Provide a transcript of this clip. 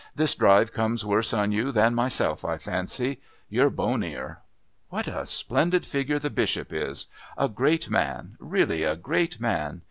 "This drive comes worse on you than myself, I fancy. You're bonier.... What a splendid figure the Bishop is! A great man really, a great man.